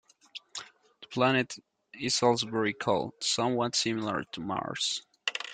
The planet is also very cold, somewhat similar to Mars.